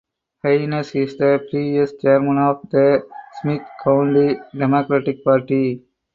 Heines is the previous chairman of the Smith County Democratic Party.